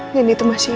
nindy itu masih hidup